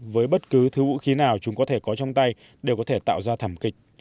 với bất cứ thứ vũ khí nào chúng có thể có trong tay đều có thể tạo ra thảm kịch